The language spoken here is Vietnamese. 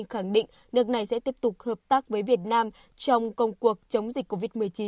khẳng định nước này sẽ tiếp tục hợp tác với việt nam trong công cuộc chống dịch covid một mươi chín